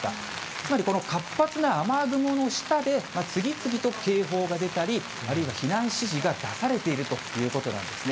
つまりこの活発な雨雲の下で、次々と警報が出たり、あるいは避難指示が出されているということなんですね。